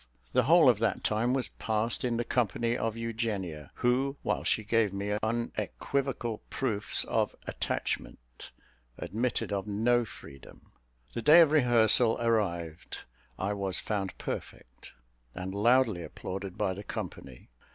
The whole of that time was passed in the company of Eugenia, who, while she gave me unequivocal proofs of attachment, admitted of no freedom. The day of rehearsal arrived, I was found perfect, and loudly applauded by the company.